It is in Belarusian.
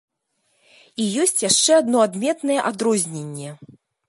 Ёсць і яшчэ адно адметнае адрозненне.